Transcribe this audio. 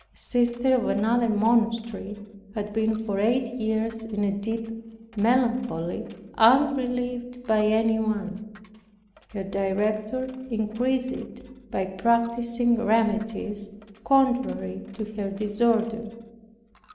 A sister of another monastery had been for eight years in a deep melancholy unrelieved by anyone. Her director increased it, by practicing remedies contrary to her disorder.